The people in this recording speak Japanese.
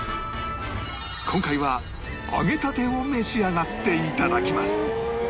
今回は揚げたてを召し上がって頂きます